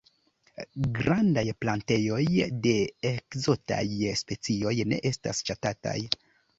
Grandaj plantejoj de ekzotaj specioj ne estas ŝatataj.